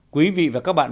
quý vị và các bạn